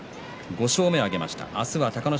５勝目を挙げました。